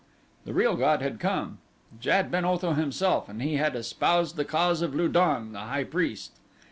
The real god had come Jad ben Otho himself, and he had espoused the cause of Lu don, the high priest.